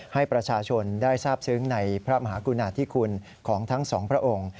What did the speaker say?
ให้ประชาชนได้ทราบซึ้งในพระมหากุณาธิคุณของทั้งสองพระองค์